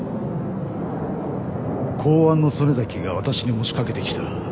公安の曽根崎が私に持ち掛けてきた。